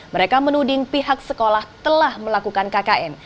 mereka menuding pihak sekolah telah melakukan kkn